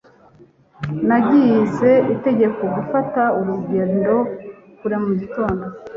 nagize itegeko gufata urugendo kare mu gitondo